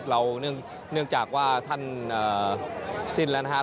เนื่องจากว่าท่านสิ้นแล้วนะครับ